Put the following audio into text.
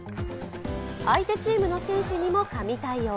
相手チームの選手にも神対応。